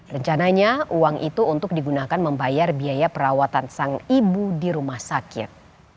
rencananya uang itu untuk digunakan membayar biaya perawatan sang ibu di rumah sakit